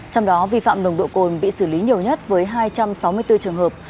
trong đó vi phạm nồng độ cồn bị xử lý nhiều nhất với hai trăm sáu mươi bốn trường hợp